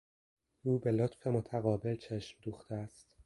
او به لطف متقابل چشم دوخته است.